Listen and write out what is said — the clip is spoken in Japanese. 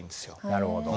なるほど。